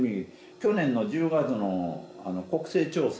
去年の１０月の国勢調査。